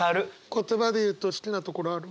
言葉で言うと好きなところある？